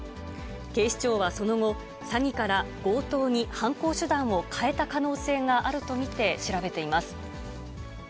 警視庁はその後、詐欺から強盗に犯行手段を変えた可能性があると見て調べています。